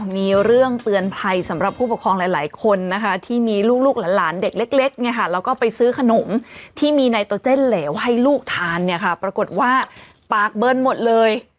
มีเรื่องเตือนภัยสำหรับผู้ปกครองหลายคนนะคะที่มีลูกหลานเด็กเล็กเนี่ยค่ะแล้วก็ไปซื้อขนมที่มีไนโตเจนเหลวให้ลูกทานเนี่ยค่ะปรากฏว่าปากเบิร์นหมดเลย